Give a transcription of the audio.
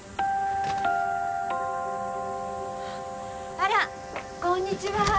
あらこんにちは